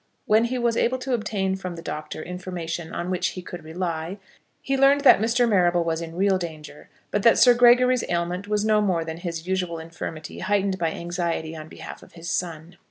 When he was able to obtain from the doctor information on which he could rely, he learned that Mr. Marrable was in real danger, but that Sir Gregory's ailment was no more than his usual infirmity heightened by anxiety on behalf of his son.